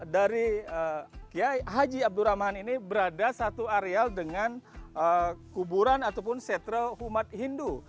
dari haji abdul rahman ini berada satu areal dengan kuburan ataupun setra umat hindu